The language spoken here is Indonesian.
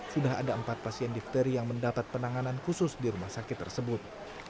sudah ada empat pasien difteri yang mendapat penanganan khusus di rumah sakit tersebut